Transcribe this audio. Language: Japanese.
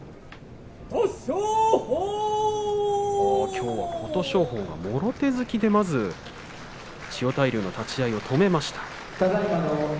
きょうは琴勝峰のほうがもろ手突きで千代大龍の立ち合いを止めました。